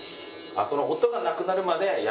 その音がなくなるまでやるんだ。